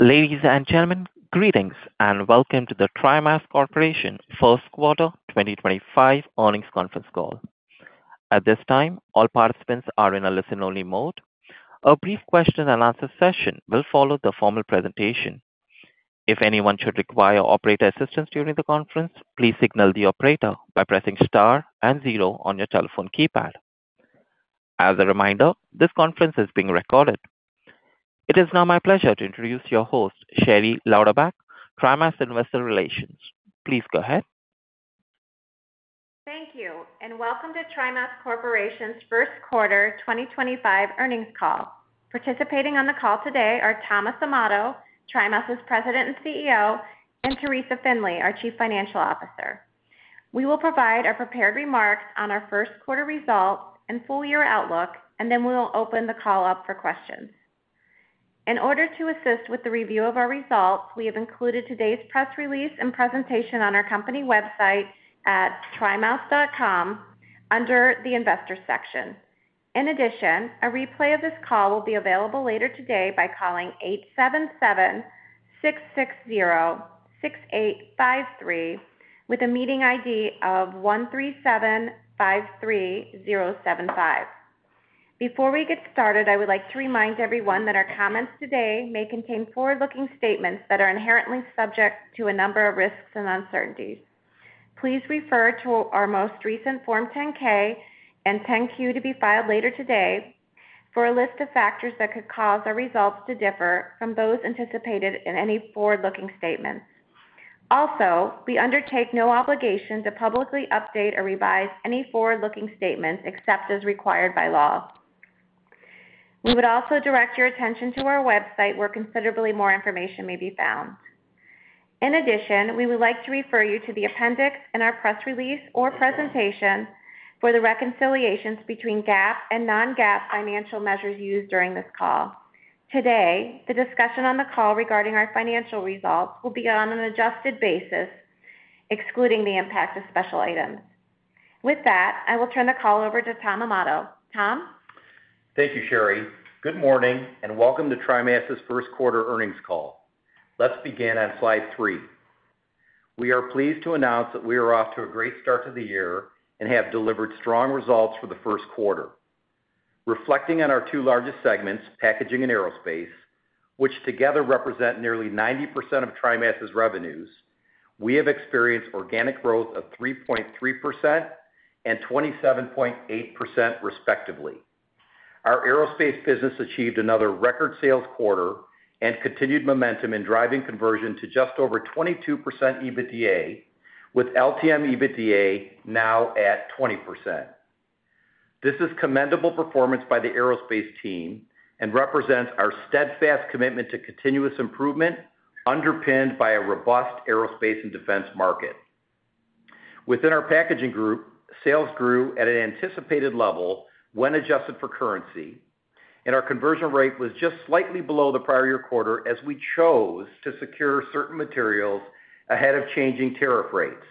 Ladies and gentlemen, greetings and welcome to the TriMas Corporation first quarter 2025 earnings conference call. At this time, all participants are in a listen-only mode. A brief question-and-answer session will follow the formal presentation. If anyone should require operator assistance during the conference, please signal the operator by pressing star and zero on your telephone keypad. As a reminder, this conference is being recorded. It is now my pleasure to introduce your host, Sherry Lauderback, TriMas investor relations. Please go ahead. Thank you, and welcome to TriMas Corporation's First Quarter 2025 Earnings Call. Participating on the call today are Thomas Amato, TriMas's President and CEO, and Teresa Finley, our Chief Financial Officer. We will provide our prepared remarks on our first quarter results and full-year outlook, and then we'll open the call up for questions. In order to assist with the review of our results, we have included today's press release and presentation on our company website at trimas.com under the Investor section. In addition, a replay of this call will be available later today by calling 877-660-6853 with a meeting ID of 137-53075. Before we get started, I would like to remind everyone that our comments today may contain forward-looking statements that are inherently subject to a number of risks and uncertainties. Please refer to our most recent Form 10-K and 10-Q to be filed later today for a list of factors that could cause our results to differ from those anticipated in any forward-looking statements. Also, we undertake no obligation to publicly update or revise any forward-looking statements except as required by law. We would also direct your attention to our website, where considerably more information may be found. In addition, we would like to refer you to the appendix in our press release or presentation for the reconciliations between GAAP and non-GAAP financial measures used during this call. Today, the discussion on the call regarding our financial results will be on an adjusted basis, excluding the impact of special items. With that, I will turn the call over to Tom Amato. Tom? Thank you, Sherry. Good morning and welcome to TriMas's First Quarter Earnings Call. Let's begin on slide three. We are pleased to announce that we are off to a great start to the year and have delivered strong results for the first quarter. Reflecting on our two largest segments, packaging and aerospace, which together represent nearly 90% of TriMas's revenues, we have experienced organic growth of 3.3% and 27.8%, respectively. Our aerospace business achieved another record sales quarter and continued momentum in driving conversion to just over 22% EBITDA, with LTM EBITDA now at 20%. This is commendable performance by the aerospace team and represents our steadfast commitment to continuous improvement, underpinned by a robust aerospace and defense market. Within our packaging group, sales grew at an anticipated level when adjusted for currency, and our conversion rate was just slightly below the prior year quarter as we chose to secure certain materials ahead of changing tariff rates.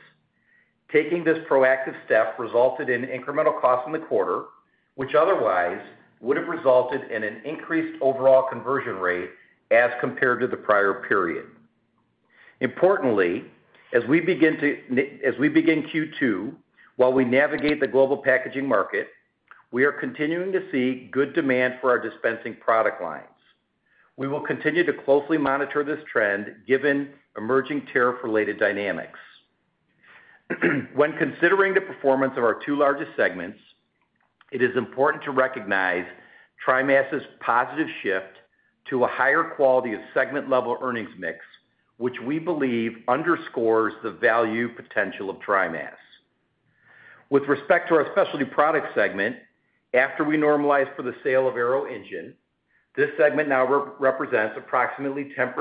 Taking this proactive step resulted in incremental costs in the quarter, which otherwise would have resulted in an increased overall conversion rate as compared to the prior period. Importantly, as we begin Q2, while we navigate the global packaging market, we are continuing to see good demand for our dispensing product lines. We will continue to closely monitor this trend given emerging tariff-related dynamics. When considering the performance of our two largest segments, it is important to recognize TriMas's positive shift to a higher quality of segment-level earnings mix, which we believe underscores the value potential of TriMas. With respect to our specialty product segment, after we normalized for the sale of Aero Engine, this segment now represents approximately 10%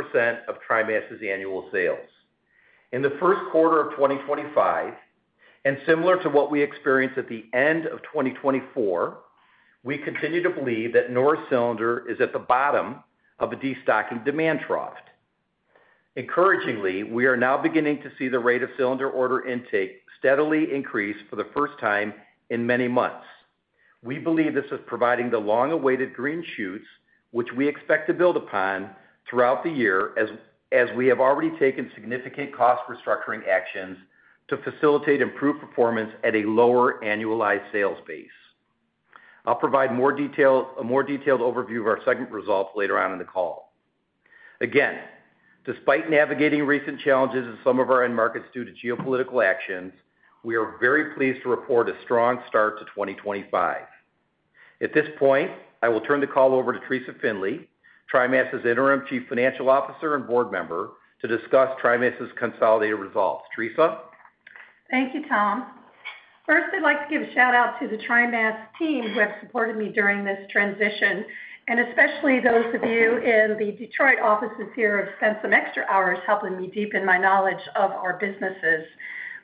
of TriMas's annual sales. In the first quarter of 2025, and similar to what we experienced at the end of 2024, we continue to believe that NOR cylinder is at the bottom of a destocking demand trough. Encouragingly, we are now beginning to see the rate of cylinder order intake steadily increase for the first time in many months. We believe this is providing the long-awaited green shoots, which we expect to build upon throughout the year as we have already taken significant cost restructuring actions to facilitate improved performance at a lower annualized sales base. I'll provide a more detailed overview of our segment results later on in the call. Again, despite navigating recent challenges in some of our end markets due to geopolitical actions, we are very pleased to report a strong start to 2025. At this point, I will turn the call over to Teresa Finley, TriMas's Interim Chief Financial Officer and board member, to discuss TriMas's consolidated results. Teresa? Thank you, Tom. First, I'd like to give a shout-out to the TriMas team who have supported me during this transition, and especially those of you in the Detroit offices here who have spent some extra hours helping me deepen my knowledge of our businesses.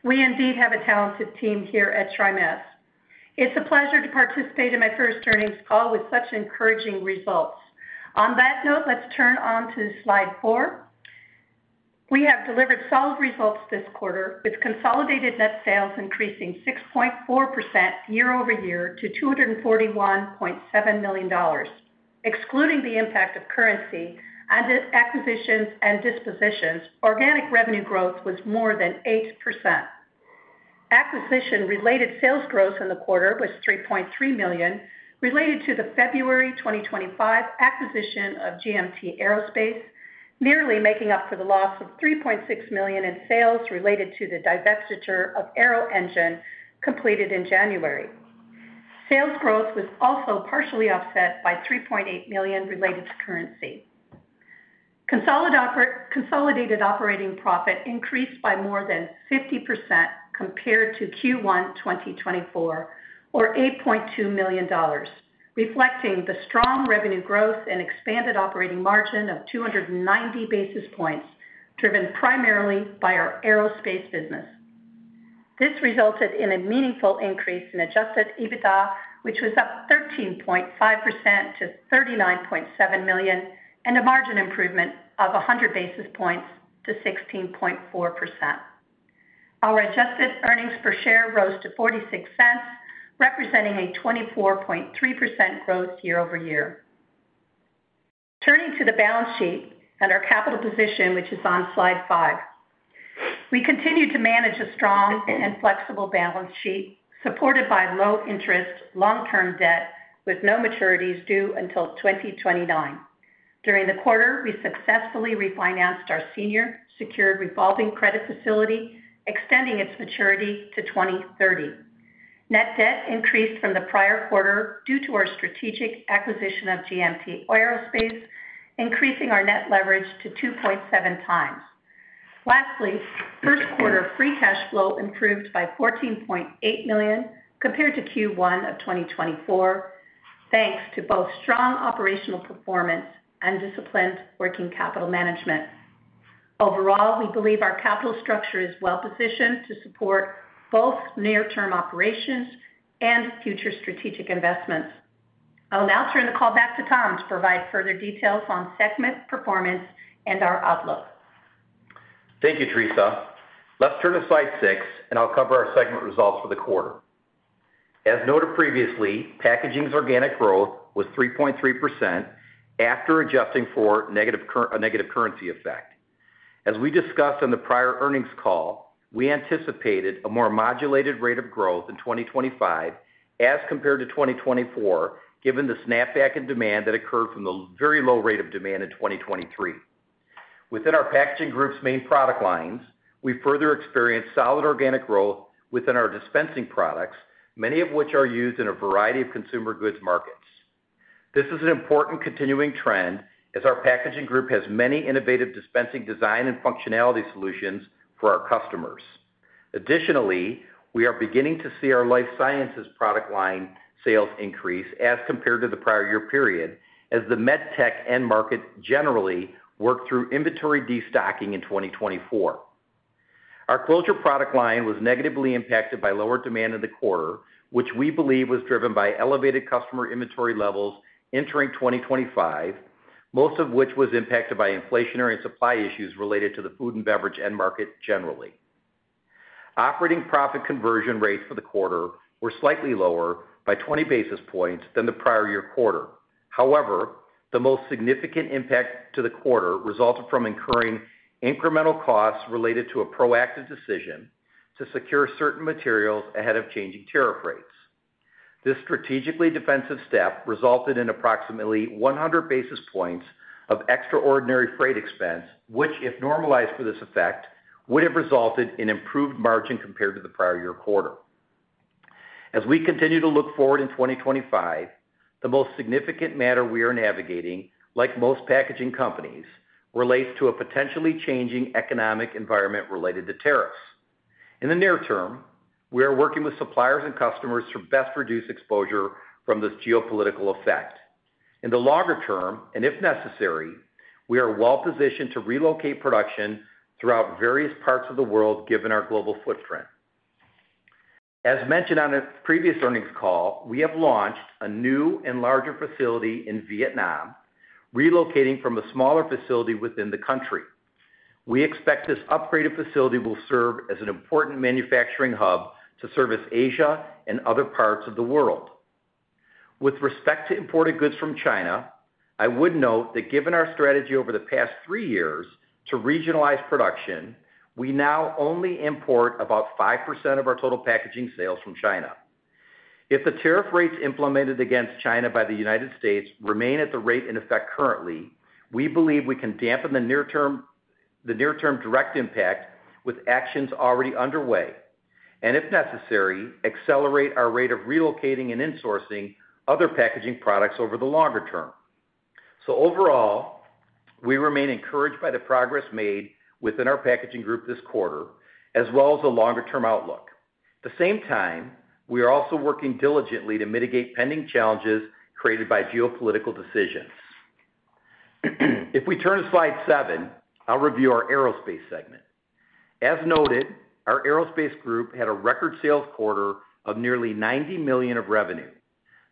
We indeed have a talented team here at TriMas. It's a pleasure to participate in my first earnings call with such encouraging results. On that note, let's turn on to slide four. We have delivered solid results this quarter, with consolidated net sales increasing 6.4% year over year to $241.7 million. Excluding the impact of currency and acquisitions and dispositions, organic revenue growth was more than 8%. Acquisition-related sales growth in the quarter was $3.3 million, related to the February 2025 acquisition of GMT Aerospace, nearly making up for the loss of $3.6 million in sales related to the divestiture of Aero Engine completed in January. Sales growth was also partially offset by $3.8 million related to currency. Consolidated operating profit increased by more than 50% compared to Q1 2024, or $8.2 million, reflecting the strong revenue growth and expanded operating margin of 290 basis points driven primarily by our aerospace business. This resulted in a meaningful increase in adjusted EBITDA, which was up 13.5% to $39.7 million and a margin improvement of 100 basis points to 16.4%. Our adjusted earnings per share rose to $0.46, representing a 24.3% growth year over year. Turning to the balance sheet and our capital position, which is on slide five. We continue to manage a strong and flexible balance sheet supported by low-interest long-term debt with no maturities due until 2029. During the quarter, we successfully refinanced our senior secured revolving credit facility, extending its maturity to 2030. Net debt increased from the prior quarter due to our strategic acquisition of GMT Aerospace, increasing our net leverage to 2.7x. Lastly, first quarter free cash flow improved by $14.8 million compared to Q1 of 2024, thanks to both strong operational performance and disciplined working capital management. Overall, we believe our capital structure is well-positioned to support both near-term operations and future strategic investments. I'll now turn the call back to Tom to provide further details on segment performance and our outlook. Thank you, Teresa. Let's turn to slide six, and I'll cover our segment results for the quarter. As noted previously, packaging's organic growth was 3.3% after adjusting for a negative currency effect. As we discussed in the prior earnings call, we anticipated a more modulated rate of growth in 2025 as compared to 2024, given the snapback in demand that occurred from the very low rate of demand in 2023. Within our packaging group's main product lines, we further experienced solid organic growth within our dispensing products, many of which are used in a variety of consumer goods markets. This is an important continuing trend as our packaging group has many innovative dispensing design and functionality solutions for our customers. Additionally, we are beginning to see our life sciences product line sales increase as compared to the prior year period as the med tech end market generally worked through inventory destocking in 2024. Our closure product line was negatively impacted by lower demand in the quarter, which we believe was driven by elevated customer inventory levels entering 2025, most of which was impacted by inflationary and supply issues related to the food and beverage end market generally. Operating profit conversion rates for the quarter were slightly lower by 20 basis points than the prior year quarter. However, the most significant impact to the quarter resulted from incurring incremental costs related to a proactive decision to secure certain materials ahead of changing tariff rates. This strategically defensive step resulted in approximately 100 basis points of extraordinary freight expense, which, if normalized for this effect, would have resulted in improved margin compared to the prior year quarter. As we continue to look forward in 2025, the most significant matter we are navigating, like most packaging companies, relates to a potentially changing economic environment related to tariffs. In the near term, we are working with suppliers and customers to best reduce exposure from this geopolitical effect. In the longer term, and if necessary, we are well-positioned to relocate production throughout various parts of the world given our global footprint. As mentioned on a previous earnings call, we have launched a new and larger facility in Vietnam, relocating from a smaller facility within the country. We expect this upgraded facility will serve as an important manufacturing hub to service Asia and other parts of the world. With respect to imported goods from China, I would note that given our strategy over the past three years to regionalize production, we now only import about 5% of our total packaging sales from China. If the tariff rates implemented against China by the U.S. remain at the rate in effect currently, we believe we can dampen the near-term direct impact with actions already underway and, if necessary, accelerate our rate of relocating and insourcing other packaging products over the longer term. Overall, we remain encouraged by the progress made within our packaging group this quarter, as well as the longer-term outlook. At the same time, we are also working diligently to mitigate pending challenges created by geopolitical decisions. If we turn to slide seven, I'll review our aerospace segment. As noted, our aerospace group had a record sales quarter of nearly $90 million of revenue.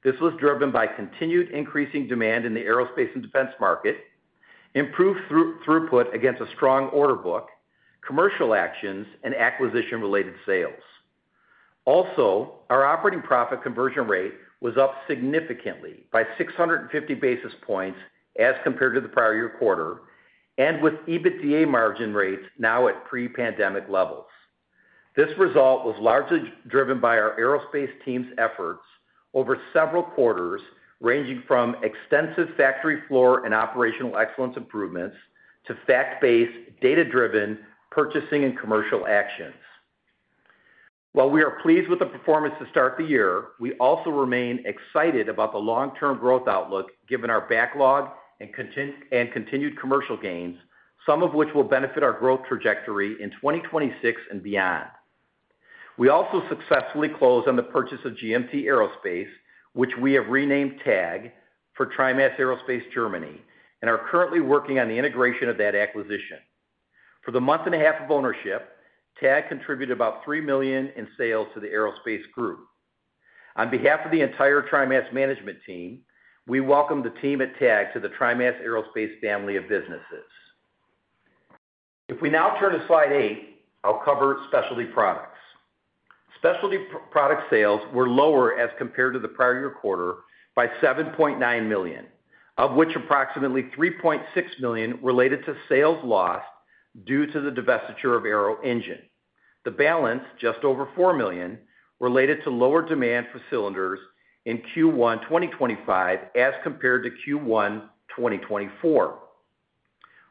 This was driven by continued increasing demand in the aerospace and defense market, improved throughput against a strong order book, commercial actions, and acquisition-related sales. Also, our operating profit conversion rate was up significantly by 650 basis points as compared to the prior year quarter, and with EBITDA margin rates now at pre-pandemic levels. This result was largely driven by our aerospace team's efforts over several quarters, ranging from extensive factory floor and operational excellence improvements to fact-based, data-driven purchasing and commercial actions. While we are pleased with the performance to start the year, we also remain excited about the long-term growth outlook given our backlog and continued commercial gains, some of which will benefit our growth trajectory in 2026 and beyond. We also successfully closed on the purchase of GMT Aerospace, which we have renamed TAG for TriMas Aerospace Germany, and are currently working on the integration of that acquisition. For the month and a half of ownership, TAG contributed about $3 million in sales to the aerospace group. On behalf of the entire TriMas management team, we welcome the team at TAG to the TriMas aerospace family of businesses. If we now turn to slide eight, I'll cover specialty products. Specialty product sales were lower as compared to the prior year quarter by $7.9 million, of which approximately $3.6 million related to sales lost due to the divestiture of Aero Engine. The balance, just over $4 million, related to lower demand for cylinders in Q1 2025 as compared to Q1 2024.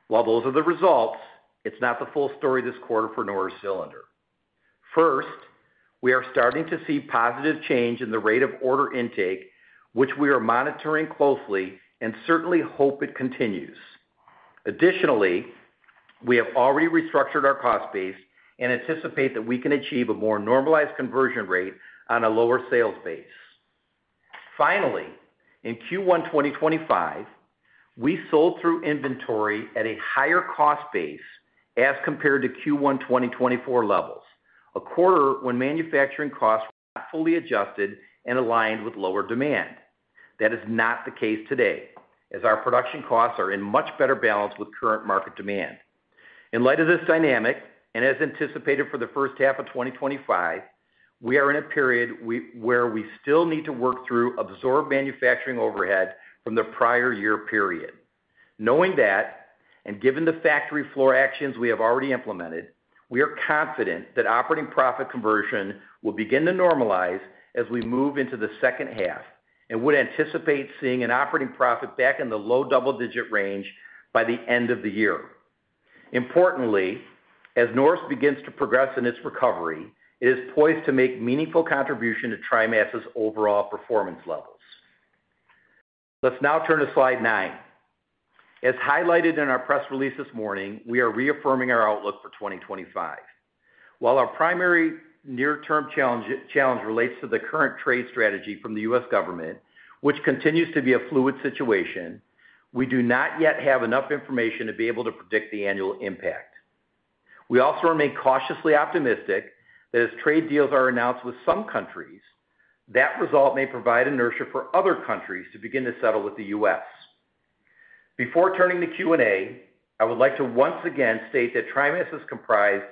While those are the results, it's not the full story this quarter for NOR cylinder. First, we are starting to see positive change in the rate of order intake, which we are monitoring closely and certainly hope it continues. Additionally, we have already restructured our cost base and anticipate that we can achieve a more normalized conversion rate on a lower sales base. Finally, in Q1 2025, we sold through inventory at a higher cost base as compared to Q1 2024 levels, a quarter when manufacturing costs were not fully adjusted and aligned with lower demand. That is not the case today, as our production costs are in much better balance with current market demand. In light of this dynamic, and as anticipated for the first half of 2025, we are in a period where we still need to work through absorbed manufacturing overhead from the prior year period. Knowing that and given the factory floor actions we have already implemented, we are confident that operating profit conversion will begin to normalize as we move into the second half and would anticipate seeing an operating profit back in the low double-digit range by the end of the year. Importantly, as NOR begins to progress in its recovery, it is poised to make meaningful contributions to TriMas's overall performance levels. Let's now turn to slide nine. As highlighted in our press release this morning, we are reaffirming our outlook for 2025. While our primary near-term challenge relates to the current trade strategy from the US government, which continues to be a fluid situation, we do not yet have enough information to be able to predict the annual impact. We also remain cautiously optimistic that as trade deals are announced with some countries, that result may provide inertia for other countries to begin to settle with the U.S. Before turning to Q&A, I would like to once again state that TriMas is comprised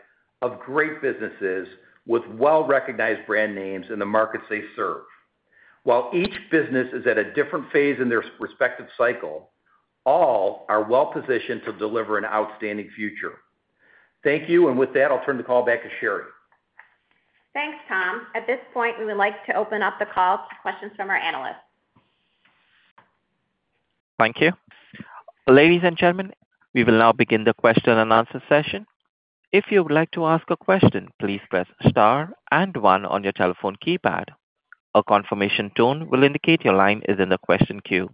of great businesses with well-recognized brand names in the markets they serve. While each business is at a different phase in their respective cycle, all are well-positioned to deliver an outstanding future. Thank you, and with that, I'll turn the call back to Sherry. Thanks, Tom. At this point, we would like to open up the call to questions from our analysts. Thank you. Ladies and gentlemen, we will now begin the question and answer session. If you would like to ask a question, please press star and one on your telephone keypad. A confirmation tone will indicate your line is in the question queue.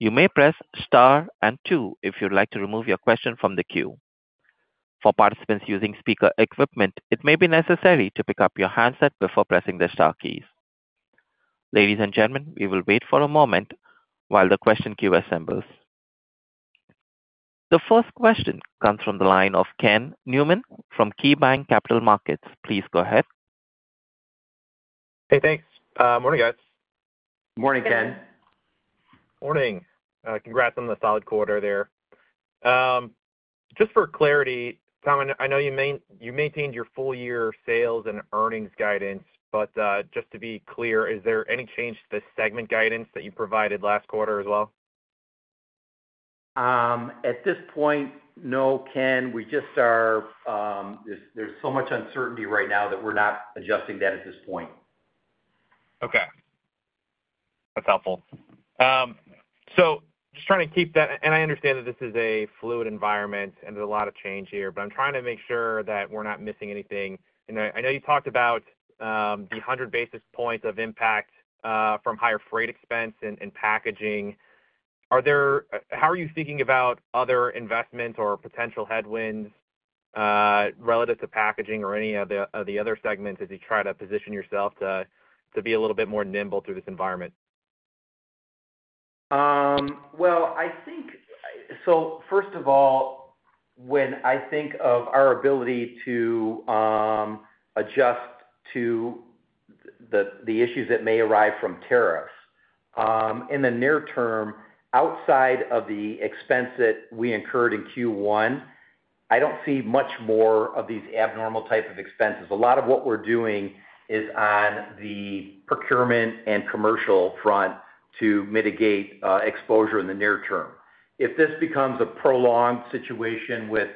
You may press star and two if you'd like to remove your question from the queue. For participants using speaker equipment, it may be necessary to pick up your handset before pressing the star keys. Ladies and gentlemen, we will wait for a moment while the question queue assembles. The first question comes from the line of Ken Newman from KeyBanc Capital Markets. Please go ahead. Hey, thanks. Morning, guys. Morning, Ken. Morning. Congrats on the solid quarter there. Just for clarity, Tom, I know you maintained your full-year sales and earnings guidance, but just to be clear, is there any change to the segment guidance that you provided last quarter as well? At this point, no, Ken. We just are, there's so much uncertainty right now that we're not adjusting that at this point. Okay. That's helpful. Just trying to keep that—I understand that this is a fluid environment and there's a lot of change here, but I'm trying to make sure that we're not missing anything. I know you talked about the 100 basis points of impact from higher freight expense in packaging. How are you thinking about other investments or potential headwinds relative to packaging or any of the other segments as you try to position yourself to be a little bit more nimble through this environment? I think—so first of all, when I think of our ability to adjust to the issues that may arise from tariffs, in the near term, outside of the expense that we incurred in Q1, I do not see much more of these abnormal types of expenses. A lot of what we are doing is on the procurement and commercial front to mitigate exposure in the near term. If this becomes a prolonged situation with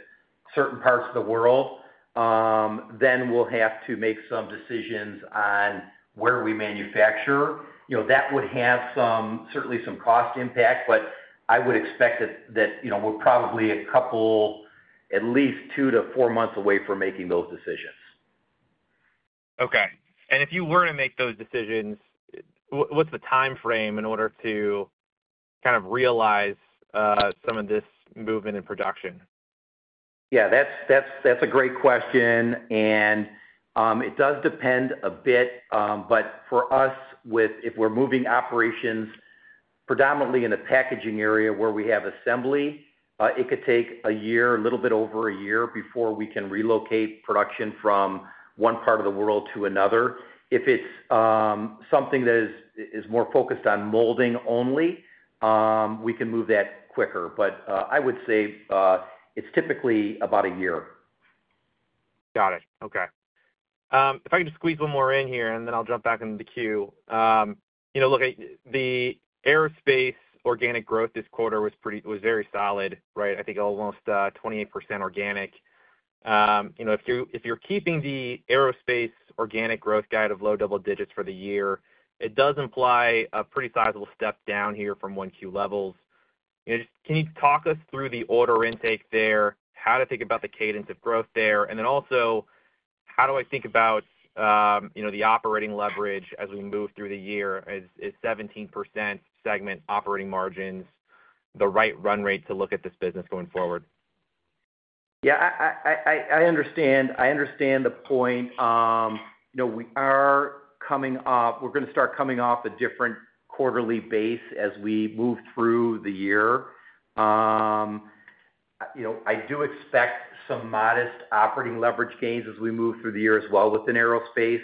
certain parts of the world, then we will have to make some decisions on where we manufacture. That would have certainly some cost impact, but I would expect that we are probably a couple, at least two to four months away from making those decisions. Okay. If you were to make those decisions, what's the time frame in order to kind of realize some of this movement in production? Yeah, that's a great question. It does depend a bit, but for us, if we're moving operations predominantly in a packaging area where we have assembly, it could take a year, a little bit over a year, before we can relocate production from one part of the world to another. If it's something that is more focused on molding only, we can move that quicker. I would say it's typically about a year. Got it. Okay. If I can just squeeze one more in here, and then I'll jump back into the queue. Look, the aerospace organic growth this quarter was very solid, right? I think almost 28% organic. If you're keeping the aerospace organic growth guide of low double digits for the year, it does imply a pretty sizable step down here from one-queue levels. Can you talk us through the order intake there, how to think about the cadence of growth there, and then also, how do I think about the operating leverage as we move through the year? Is 17% segment operating margins the right run rate to look at this business going forward? Yeah, I understand. I understand the point. We are coming off—we're going to start coming off a different quarterly base as we move through the year. I do expect some modest operating leverage gains as we move through the year as well within aerospace.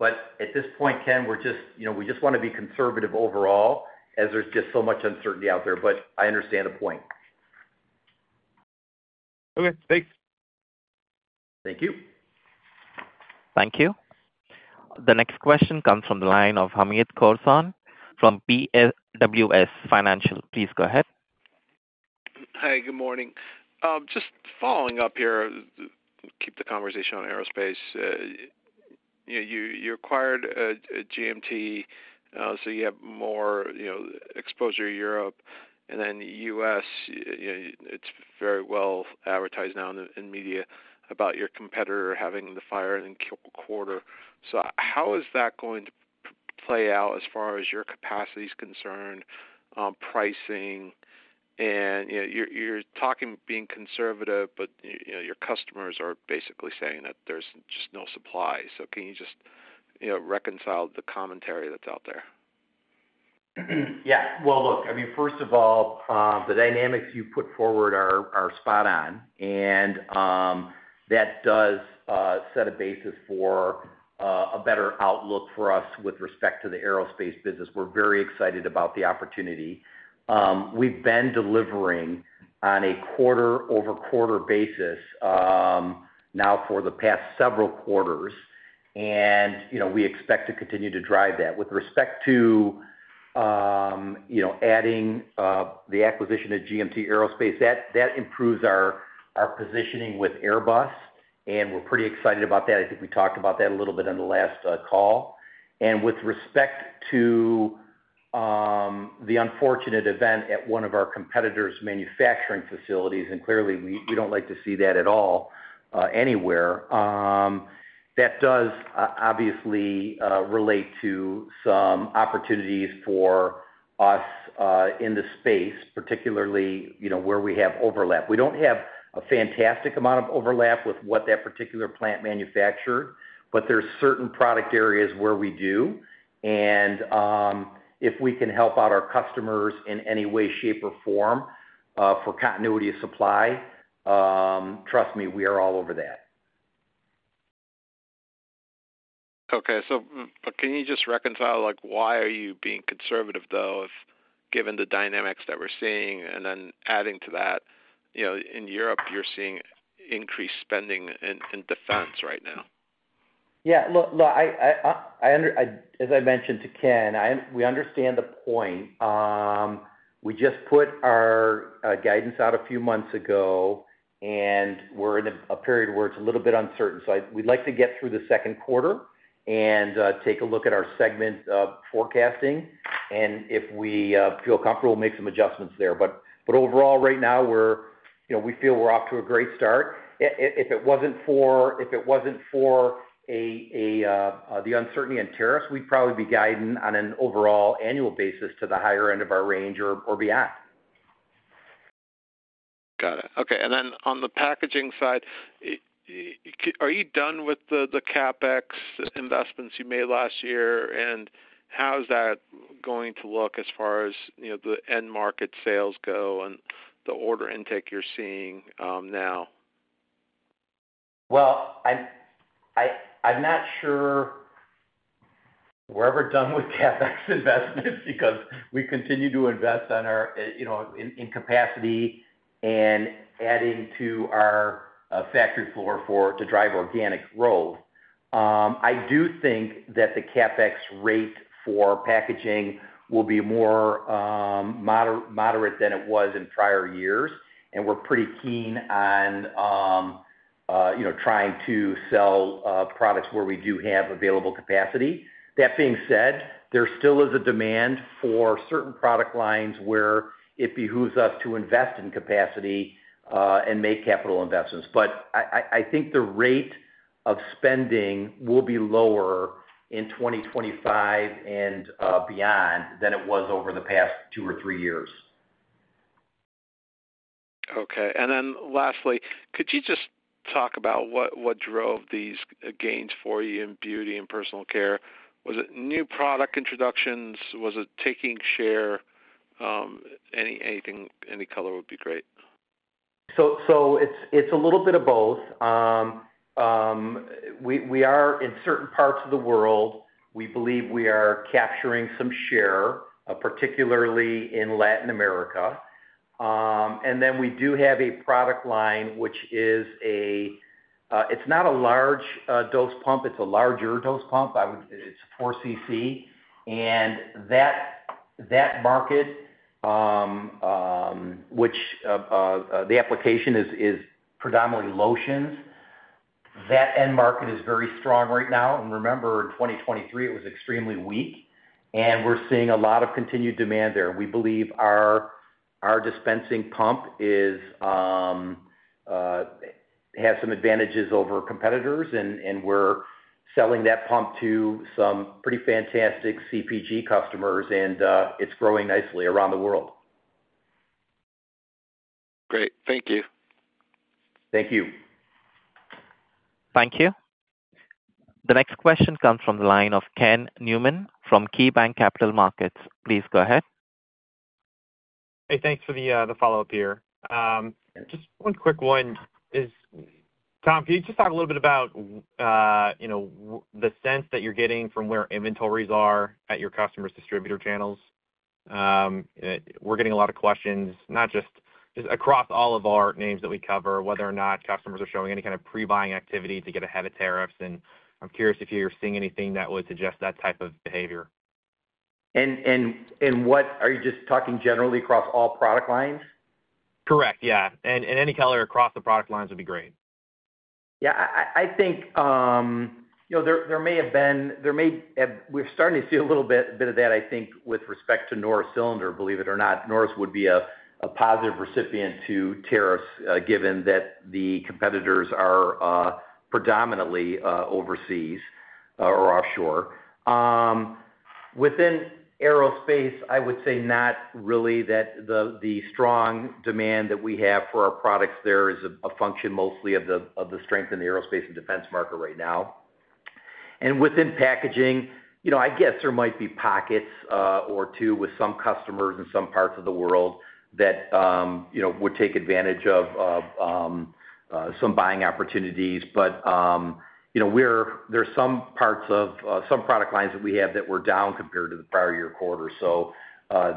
At this point, Ken, we just want to be conservative overall as there's just so much uncertainty out there, but I understand the point. Okay. Thanks. Thank you. Thank you. The next question comes from the line of Hamed Khorsand from BWS Financial. Please go ahead. Hi, good morning. Just following up here, keep the conversation on aerospace. You acquired GMT, so you have more exposure to Europe. Then U.S., it's very well advertised now in the media about your competitor having the fire in the quarter. How is that going to play out as far as your capacity is concerned, pricing? You're talking being conservative, but your customers are basically saying that there's just no supply. Can you just reconcile the commentary that's out there? Yeah. Look, I mean, first of all, the dynamics you put forward are spot on. That does set a basis for a better outlook for us with respect to the aerospace business. We're very excited about the opportunity. We've been delivering on a quarter-over-quarter basis now for the past several quarters, and we expect to continue to drive that. With respect to adding the acquisition of GMT Aerospace, that improves our positioning with Airbus, and we're pretty excited about that. I think we talked about that a little bit on the last call. With respect to the unfortunate event at one of our competitors' manufacturing facilities, and clearly, we don't like to see that at all anywhere, that does obviously relate to some opportunities for us in the space, particularly where we have overlap. We do not have a fantastic amount of overlap with what that particular plant manufactured, but there are certain product areas where we do. If we can help out our customers in any way, shape, or form for continuity of supply, trust me, we are all over that. Okay. Can you just reconcile why are you being conservative, though, given the dynamics that we're seeing? Adding to that, in Europe, you're seeing increased spending in defense right now. Yeah. Look, as I mentioned to Ken, we understand the point. We just put our guidance out a few months ago, and we're in a period where it's a little bit uncertain. We would like to get through the second quarter and take a look at our segment forecasting. If we feel comfortable, we'll make some adjustments there. Overall, right now, we feel we're off to a great start. If it was not for the uncertainty in tariffs, we'd probably be guiding on an overall annual basis to the higher end of our range or beyond. Got it. Okay. On the packaging side, are you done with the CapEx investments you made last year? How is that going to look as far as the end market sales go and the order intake you're seeing now? I'm not sure we're ever done with CapEx investments because we continue to invest in capacity and adding to our factory floor to drive organic growth. I do think that the CapEx rate for packaging will be more moderate than it was in prior years. We're pretty keen on trying to sell products where we do have available capacity. That being said, there still is a demand for certain product lines where it behooves us to invest in capacity and make capital investments. I think the rate of spending will be lower in 2025 and beyond than it was over the past two or three years. Okay. Lastly, could you just talk about what drove these gains for you in beauty and personal care? Was it new product introductions? Was it taking share? Any color would be great. It is a little bit of both. We are in certain parts of the world. We believe we are capturing some share, particularly in Latin America. We do have a product line which is a—it's not a large dose pump. It is a larger dose pump. It is 4 cc. That market, which the application is predominantly lotions, that end market is very strong right now. Remember, in 2023, it was extremely weak. We are seeing a lot of continued demand there. We believe our dispensing pump has some advantages over competitors, and we are selling that pump to some pretty fantastic CPG customers, and it is growing nicely around the world. Great. Thank you. Thank you. Thank you. The next question comes from the line of Ken Newman from KeyBanc Capital Markets. Please go ahead. Hey, thanks for the follow-up here. Just one quick one. Tom, can you just talk a little bit about the sense that you're getting from where inventories are at your customers' distributor channels? We're getting a lot of questions, not just across all of our names that we cover, whether or not customers are showing any kind of pre-buying activity to get ahead of tariffs. I'm curious if you're seeing anything that would suggest that type of behavior. Are you just talking generally across all product lines? Correct. Yeah. Any color across the product lines would be great. Yeah. I think there may have been—we're starting to see a little bit of that, I think, with respect to Norris Cylinder, believe it or not. Norris would be a positive recipient to tariffs given that the competitors are predominantly overseas or offshore. Within aerospace, I would say not really that the strong demand that we have for our products there is a function mostly of the strength in the aerospace and defense market right now. Within packaging, I guess there might be pockets or two with some customers in some parts of the world that would take advantage of some buying opportunities. There are some parts of some product lines that we have that were down compared to the prior year quarter.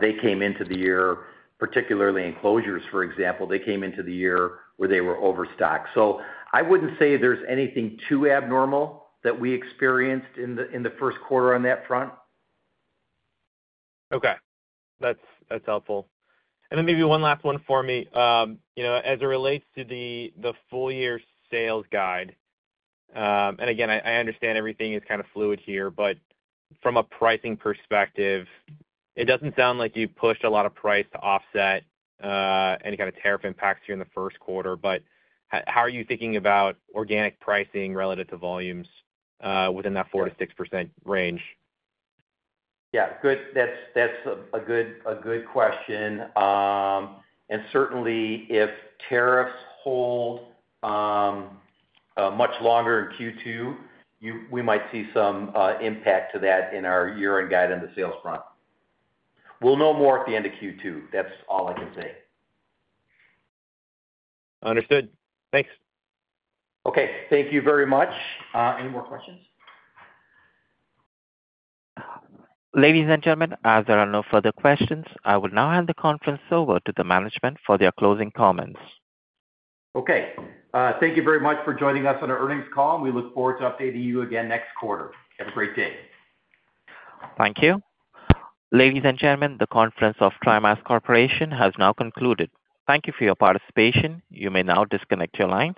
They came into the year, particularly in closures, for example. They came into the year where they were overstocked. I wouldn't say there's anything too abnormal that we experienced in the first quarter on that front. Okay. That's helpful. Maybe one last one for me. As it relates to the full-year sales guide, I understand everything is kind of fluid here, but from a pricing perspective, it does not sound like you pushed a lot of price to offset any kind of tariff impacts here in the first quarter. How are you thinking about organic pricing relative to volumes within that 4-6% range? Yeah. Good. That's a good question. Certainly, if tariffs hold much longer in Q2, we might see some impact to that in our year-end guide on the sales front. We'll know more at the end of Q2. That's all I can say. Understood. Thanks. Okay. Thank you very much. Any more questions? Ladies and gentlemen, as there are no further questions, I will now hand the conference over to the management for their closing comments. Okay. Thank you very much for joining us on our earnings call. We look forward to updating you again next quarter. Have a great day. Thank you. Ladies and gentlemen, the conference of TriMas Corporation has now concluded. Thank you for your participation. You may now disconnect your lines.